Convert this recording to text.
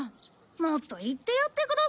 もっと言ってやってください。